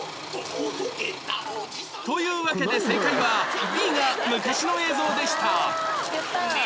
というわけで正解は Ｂ が昔の映像でした